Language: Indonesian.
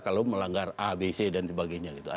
kalau melanggar a b c dan sebagainya gitu